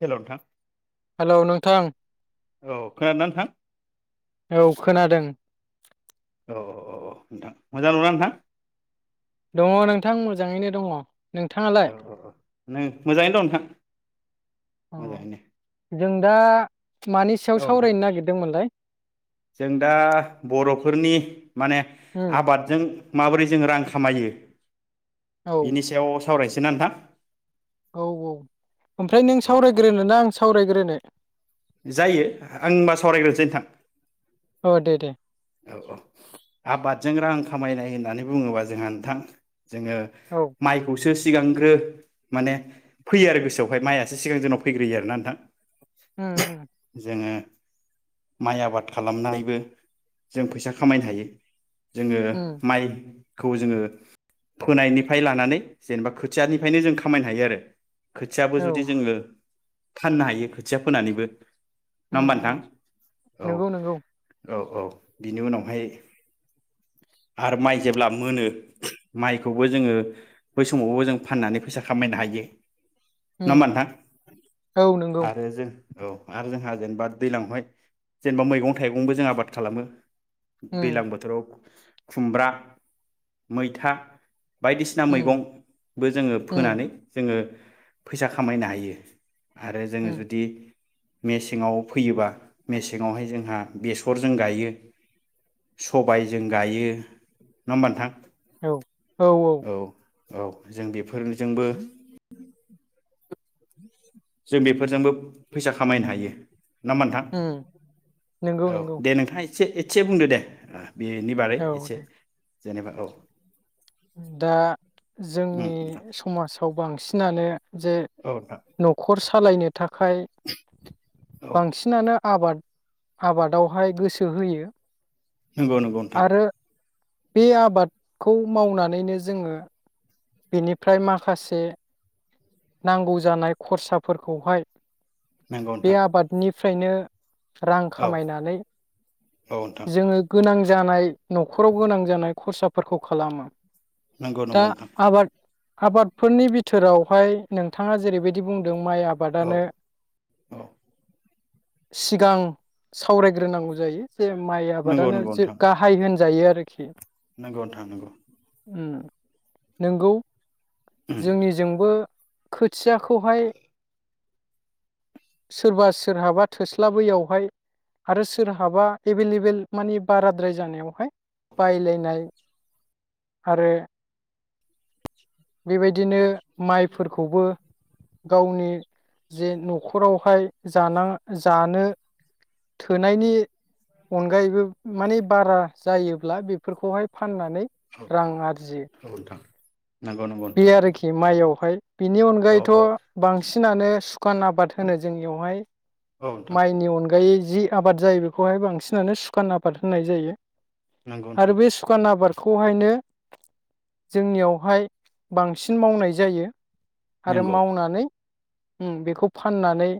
[inaudible] हेल' नोंथां हेलौ नोंथां औ खोनादोंना नोंथां [inaudible] औ खोनादों औ औ नोंथां मोजां दङ ना नोंथां? दङ नोंथां मोजाङैनो दङ नोंथाङालाय औ औ औ नों मोजाङैनो दं नोंथां अ मोजाङैनो जों दा मानि सायाव औ नोंथां सावरायनो नागिरदोंमोनलाय? जों दा बर'फोरनि माने उम आबादजों माबोरै जों रां खामायो औ बिनि सायाव सावरायनोसै ना नोंथां? औ औ ओमफ्राय नों औ औ सावरायग्रोना आं सावरायग्रोनो जायो आं होमबा सावरायग्रोनोसै नोंथां अ दे दे औ औ आबादजों रां खामायनाय होननानै बुङोबा जोंहा नोंथां जोङो औ माइखौ सो सिगांग्रो माने फैयो आरो गोसोआवहाय माइयासो सिगां जोंनाव फैग्रोयो आरो ना नोंथां। उम उम। जोङो माइ आबाद खालामनानैबो जों फैसा खामायनो हायो। जोङो उम माइ खौ जोङो फोनायनिफ्राय लानानै जेनेबा खोथियानिफ्रायनो जों खामायनो हायो आरो। खोथियाबो औ जुदि जोङो फाननो हायो खोथिया फोनानैबो नङा उम होमबा नोंथां उम औ। नंगौ नंगौ औ औ। बिनि उनावहाय आरो माइ जेब्ला मोनो माइखौबो जोङो बै समावबो जों फाननानै फैसा खामायनो हायो। नङा होमबा उम नोंथां औ नंगौ आरो जों औ आरो जोंहा जेनेबा दैलांवहाय जेनेबा मैगं थाइगंबो जों आबाद खालामो। दैलां उम बोथोराव खुमब्रा मैथा बायदिसिना उम मैगंबो जोङो उम फोनानै जोङो फैसा खामायनो हायो। आरो जोङो उम जुदि मेसेङाव फैयोबा मेसेङावहाय जोंहा बेसरजों गायो। सबायजों गायो नङा होमबा नोंथां। औ औ औ। औ जों बेफोरजोंबो जों बेफोरजोंबो फैसा खामायनो हायो। नामा नोंथां उम नंगौ औ नंगौ दे नोंथाङा एसे एसे बुंदो दे। बेनि बारै औ एसे। दे जेनेबा औ। दा उम जोंनि नोंथां समाजाव बांसिनानो जे औ नोंथां न'खर न'खर सालायनो थाखाय औ बांसिनानो आबाद आबादावहाय गोसो होयो। नोंगौ नोंगौ नोंथां। आरो बे आबादखौ मावनानैनो जोङो बेनिफ्राय माखासे नांगौ जानाय खरसाफोरखौहाय नंगौ बे नोंथां आबादनि फ्रायनो रां औ खामायनानै औ नोंथां जोङो गोनां जानाय न'खराव गोनां जानाय खरसाफोरखौ खालामो नंगौ नंगौ नोंथां हाट आबादफोरनि बिथोरावहाय नोंथाङा जेरैबायदि बुंदों माइ औ आबादनो औ सिगां सावरायग्रोनांगौ जायो। जे माइ नंगौ आबादानो नंगौ जे नोंथां गाहाय होन जायो आरोखि नंगौ नोंथां नंगौ उ नोंगौ जोंनिजोंबो थियाखौहाय सोरबा सोरहाबा थोस्लाबैयावहाय आरो सोरहाबा एभेलेबेल मानि बाराद्राय जानायावहाय बायलायनाय आरो बेबायदिनो माइफोरखौबो गावनि जे न'खरावहाय जाना जानो थोनायनि अनगायैबो माने बारा जायोब्ला बेफोरखौहाय फाननानै औ रां आरजियो औ नोंथां नंगौ नंगौ बे नोंथां आरोखि नंगौ माइयावहाय बेनि औ अनगायैथ' औ बांसिनानो सुखान आबाद होनो जोंनियावहाय औ नोंथां माइनि अनगायै जि आबाद जायो बेखौहाय बांसिनानो सुखान आबाद होननाय जायो। नंगौ नोंथां आरो बे सुखान आबाद खौहायनो जोंनियावहाय बांसिन मावनाय जायो। आरो नंगौ मावनानै ओम बेखौ फाननानै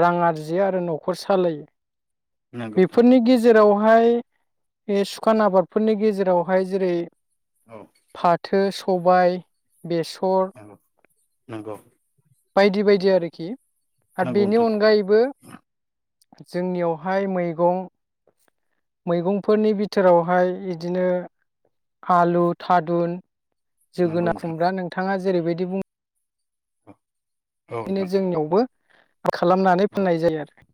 रां आरजियो आरो न'खर सालायो। नंगौ नोंथां बेफोरनि गेजेराव बेहाय बे सुखान आबादफोरनि गेजेरावहाय जेरै औ फाथो सबाय बेसर नंगौ नंगौ बायदि बायदि। दि आरोखि। आरो नंगौ बेनि नोंथां अनगायैबो जोंनियावहाय मैगं मैगंफोरनि बिथोरावहाय इदिनो आलु थादुन। नंगौ जोगोना नोंथां खुमब्रा नोंथाङा जेरैबायदि बुंङो। औ बिदिनो नोंथां जोंनियावबो खालामनानै औ फाननाय जायो आरो।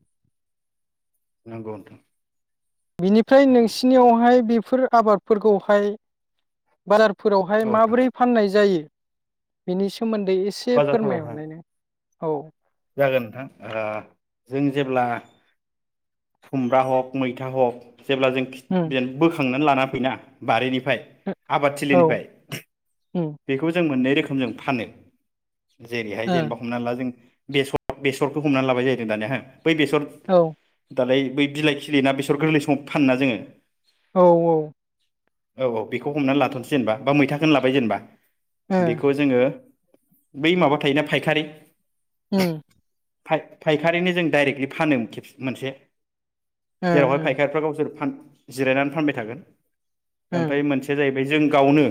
नंगौ नोंथां। बिनिफ्राय नंगौ नोंसिनियावहाय बेफोर आबादफोरखौहाय बारार फोरावहाय औ नोंथां माबोरै फाननाय जायो? बेनि सोमोन दै एसे बाजारफोरावहाय फोरमायहरनाय नों। औ। जागोन नोंथां ओ जों जेब्ला खुमब्रा हक मैथा हक जेब्ला जों खिद उम बेन बो थांनानै लाना फैना बारिनि ओ औ आबादथिलिनिफ्राय उम बेखौ जों मोननै रोखोमजों फानो। जेरैहाय ओ जेनेबा हमना ला जों बेसर बेसरखौ हमनानै लाबाय जाहैदों दानिया हो बै बेसर औ दालाय बै बिलाइ खिलियोना बेसर गोरलै समाव फानोना जोङो औ औ। औ औ बेखौ हमनानै लाथनोसै होनबा बा मैथाखौनो लाबाय जेनेबा उम बेखौ जोङो। बै माबा थायोना फायखारि उम। फाय फायखारिनो जों दडाइरेक्टलि फानो खेबसे मोनसे। ओ जेरावहाय फायखारिफ्रा गावसोर फान जिरायनानै फानबाय थागोन। ओ ओमफाय मोनसे जायैब बे जों गावनो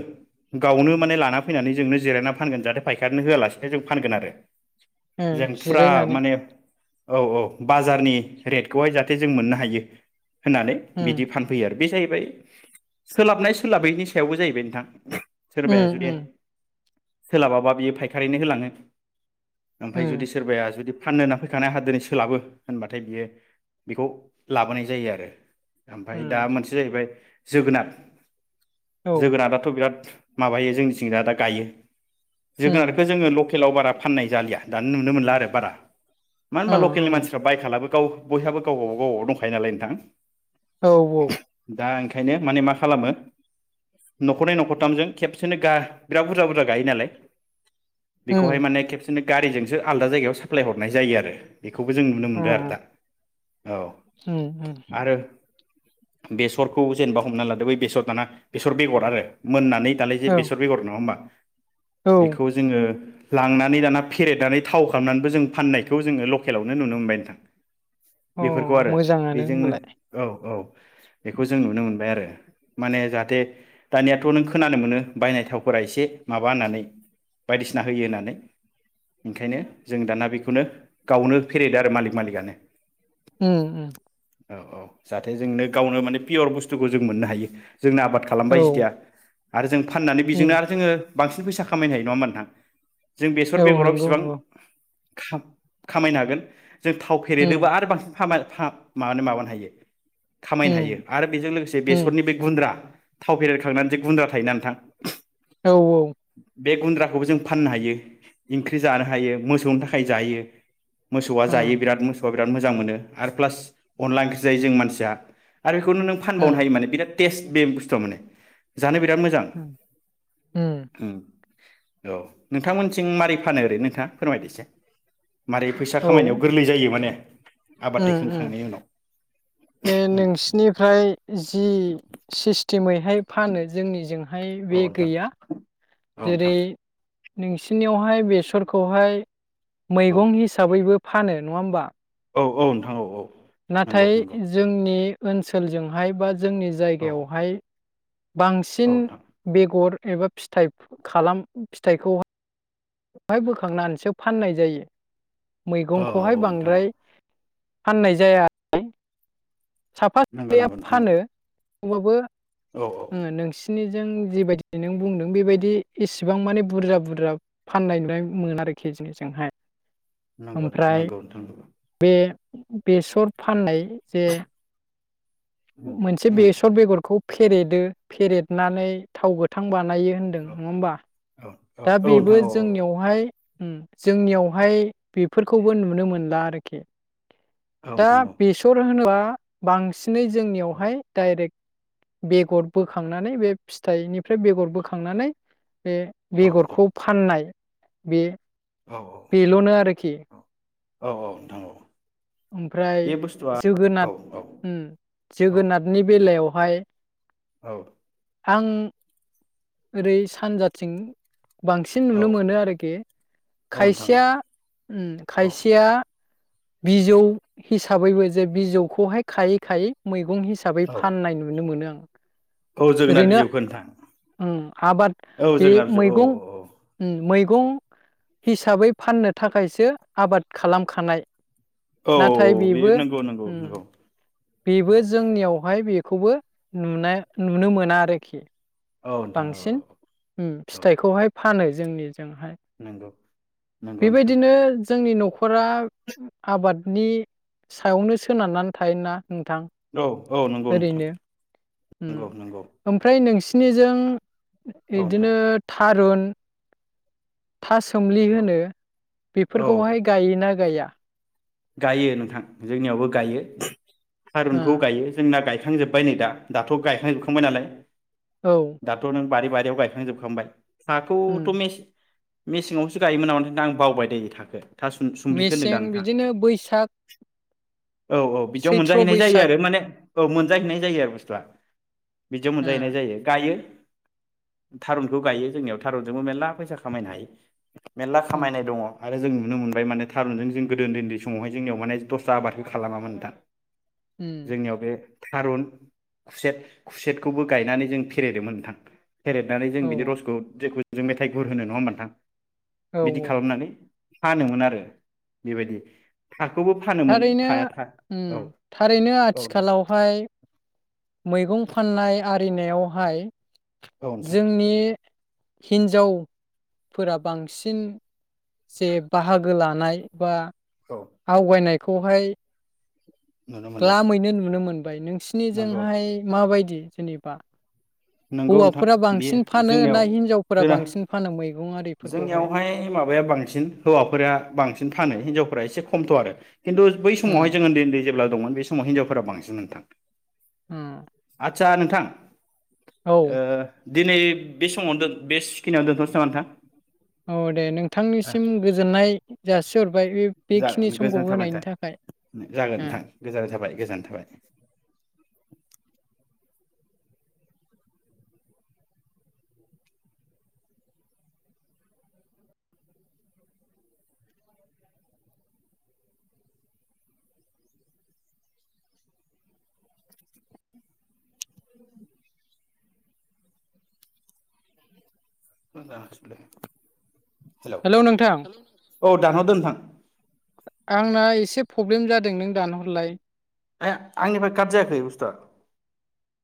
गावनो माने लाना फैनानै जोंनो जिरायनानै फानगोन जाहाथे फायखानो होआलासेनो जों फानगोन आरो ओ जों फुरा जिरायनानै माने औ औ बाजारनि रेटखौहाय जाहाथे जों मोननो हायो। होनानै उम बिदि फानफैयो आरो बे जाहैबाय सोलाबनाय सोलाबैनि सायावबो जाहैबाय नोंथां। उम सोरबाया जुदि उम सोलाबाबा बियो फायखारिनो होलाङो। ओमफ्राय जुदि उम सोरबाया जुदि फाननो होना फैखानाय आंहा दिनै सोलाबो होनबाथाय बियो बेखौ लाबोनाय जायो आरो ओमफाय दा उम मोनसे जाहैबाय जोगोनाथ औ जोगोनाराथ' बिराद माबायो जोंनिथिं दा दा गायो उम जोगोनारखौ जोङो ल टेलाव बारा फाननाय जालिया दानु नुनो मोनला आरो बारा मानो अ होनबा लकेलनि मानसिफ्रा बायखालाबो । गाव बयहाबो गावबागाव गावबागाव दंखायो नालाय नोंथां। औ औ खायनो माने मा खालामो न'खरनै न'खरथामजों खेबसेनो गा बिराद बुरजा बुरजा गायो नालाय। बेखौहाय उम माने खेबसेनो गारिजों सो आलदा जायगायाव साप्लाय हरनाय जायो आरो बेखौबो जों नुनो अ मोनदों आरो दा। औ उम उम। आरो बेसरखौ जेनेबा हमनानै लादो बै बेसर दाना बेसर बेगर आरो मोननानै दालाय जे औ बेसर बेगर नङा होमबा। औ बेखौ जोङो लांनानै दाना फेरेदनानै थाव खालामनानैबो जों फाननायखौ जोङो लकेलावनो नुनो मोनबाय नोंथां। अ बेफोरखौ आरो मोजाङानो बेजोंनो होमबालाय औ औ बेखौ जों नुनो मोनबाय आरो माने जाहाथे दानियाथ' नों खोनानो मोनो बायनाय थावफोरा एसे माबा होननानै बायदिसिना होयो होननानै ओंखायनो जों दाना बेखौनो गावनो फेरेदो आरो मालिक मालिकआनो उम उम। औ औ जाहाथे जोंनो गावनो माने पियर बुस्तुखौ जों मोननो हायो। जोंनो आबाद खालामबाय औ जिथिया आरो जों फाननानै बेजोंनो उम आरो जोङो बांसिन फैसा खामायनो हायो नङा होनबा नोंथां? जों बेसर बेगराव बिस [unintelligible] खाब खामायनो हागोन जों थाव उम फेरेदोबा आरो बांसिन [unintelligible] माबानो माबानो हायो। खामायनो हायो उम आरो बेजों लोगोसे उम बेसरनि बे गुन्द्रा थाव फेरेदखांनानै जे गुन्द्रा थायोना नोंथां। औ औ। बे गुन्द्राखौबो जों फाननो हायो। ख्रि जानो हायो मोसौनि थाखाय जायो। मोसौआ जायो उम बिराद मोसौआ बिराद मोजां मोनो आरो प्लास अनला ओंख्रि जायो जों मानसिया। आरो बेखौनो नों फानबावनो उम हायो माने बिराद बेस्त बे बुस्थुया माने। जानो बिराद मोजां उम उम ओम। औ नोंथांमोनथिं मारै फानो ओरै नोंथा फोरमायदो एसे। मारै फैसा औ खामायनायाव गोरलै जायो माने आबाद उम दैखांखांनायनि उम उनाव ए नोंसिनिफ्राय जि सिस्टेमैहाय फानो जोंनि हाय औ बे नोंथां गैया औ नोंथां जेरै नोंसिनियावहाय बेसरखौहाय औ मैगं हिसाबैबो फानो नङा होमबा? औ औ नोंथां औ औ। नंगौ नाथाय नंगौ जोंनि ओनसोलजोंहाय बा जोंनि औ जायगायावहाय बांसिन नोंथां बेगर एबा फिथाइ खालाम फिथाइखौ फाय बोखांनानैसो फाननाय जायो औ औ मैगंखौहाय औ नोंथां औ बांद्राय फाननाय जाया साफा नंगौ नैया नंगौ नोंथां औ फानो अबावबो औ औ [inaudible] ओ नोंसि नि जों जिबायदि नों बुंदों बेबायदि इस इसेबां माने बुरजा बुरजा फाननाय नुनाय मोनो आरोखि जिनिसजोंहाय नगद नंगौ नोंथां नंगौ बेसर फाननाय जे उम मोनसे उम बेसर बेगरखौ फेरेदो फेरेदनानै थाव गोथां बान नायो होनदों औ नङा होमबा औ औ दा औ बेबो नोंथां औ जोंनियाव हाय उम जोंनियाव हाय बेफोरखौबो नुनो मोनला आरोखि औ दा नोंथां औ बेसर होनोबा बांसिनै जोंनियाव औ हाय डाइरेक्ट बेगर बोखांनानै बे फिथाइनिफ्राय बेगर बोखांनानै बे औ नोंथां बेगरखौ फाननाय बे औ बेलनो आरोखि औ औ नोंथां औ [inaudible] ओमफ्राय बे बुस्थुआ औ जोगोनाथ उम औ जोगोनादनि बे बिलायाव हाय औ आं ओरै सानजाथिं बांसिन नुनो मोनो आरोखि औ नोंथां औ खायसेया उम औ खायसेया बिजौ हिसाबैबो जे बिजौखौहाय खायै खायै मैग गं हिसाबै औ फाननाय नुनो मोनो आं औ जोगोनार ओरैनो बिजौखौ नोंथां उम आबाद औ बे जोगोनार बिजौ औ मैगं औ उम मै गं हिसाबै फाननो थाखायसो आबाद खालामखानाय। औ नाथाय बेयो बेबो नंगौ नंगौ उम नंगौ। औ बेबो जोंनियाव हा फाय बेखौबो नुना नुनो मोना आरोखि औ नोंथां औ बांसिन उम औ फिथाइखौहाय फानो जोंनि हाय नंगौ नंगौ नोंथां बेबायदिनो जोंनि न'खरा आबादनि सायावनो सोनारनानै थायोना नोंथां औ औ नंगौ नोंथां ओरैनो उम नंगौ नंगौ ओमफ्राय नोंसि जों इद‌ औ इदिनो नोंथां था थारुन था सोमलि औ होनो औ बेफोरखौहाय गायोना गाया? गायो नोंथां जोंनियावबो गायो, ओ थारुनखौ गायो जोंना गाय खांजोब्बाय नै दा दाथ' गायखांजोबखांबाय नालाय औ दाथ' नों बारि बारि याव गायखांजोबखांबाय।। उम हाखौथ' मेस मेसेङावसो गायोमोन नामाथाय आं बावबायदै थाखो। था सुम सुम्लिखौ होनदोंदा मेसें नोंथाङा? बिदिनो बैसाग औ औ बिदियाव सैथ्र' मोनजाहैनाय जायो बैसाग आरो माने औ मोनजाहैनाय जायो आरो बुस्थुआ बिदियाव ओ मोनजाहैनाय जायो गायो। थारुनखौ गायो जोंनियाव थारुनजोंबो मेल्ला फैसा खामायनो हायो। मेलला उम खामायनाय दङ आरो जों नुनो मोनबाय मान थारुनजों जों गोदो उन्दै उन्दै समावहाय जोंनियाव माने दस्रा आबादखौ खालामामोन नोंथां। उम जोंनियाव बे थारुन खुसेट खुसेटखौबो गायनानै जों फेरायदोमोन नोंथां। फेरेबनानै जों बिनि औ रसखौ जेखौ जों मेथाइ गुर होनो नङा होमबा नोंथां औ बिदि औ खालामनानै फानोमोन आरो बेबायदि। थाखौबो फानोमोन थारैनो थाया था ओम औ थारैनो औ नोंथां आथिखालावहाय मैगं। फाननाय आरिनायावहाय। औ नोंथां जोंनि। हिन्जावफोरा बांसिन जे बाहागो लानाय बा। औ आवगायनाय खौहाय नुनो मोनदों ग्लालामैनो नुनो मोन बाय नों नंगौ निसिनिजोंहाय माबायदि? जेनिबा नंगौ नोंथां बेयो ना जोंनियाव हिनजावफोरा जोंना बांसिन फानो मैगं आरिफोरखौहाय जोंनियावहाय माबाया बांसिन हौवाफोरा बांसिन फानो हिनजाव फोर एसे खमथ' आरो। खिन्थु बै उम समावहाय जों उन्दै उन्दै जेब्ला दंमोन बे समाव हिनजावफोरा बांसिनमोन नोंथां। होम आदसा नोंथां ओ दिनै बे समावनो दो बेसे खिनियाव दोनथ'सै नामा नोंथां? औ दे नोंथांनिसिम गोजोननाय जासिहर जाग गोजोननाय थाबाय नोंथां जागोन नोंथां हेल' गोजोननाय थाबाय। गोजोन्नाय थाबाय। मा जागासिनो नोंलाय? हेलौ नोंथां औ दानहरदो नोंथां आंना एसे प्रब्लेम जादों नों दानहरलाय आया आंनिफ्राय काट जायाखै बुस्थुआ